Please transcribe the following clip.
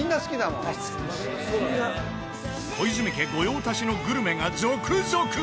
小泉家御用達のグルメが続々！